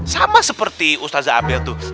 sama seperti ustadz abel tuh